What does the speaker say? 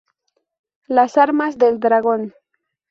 Las armas del dragón.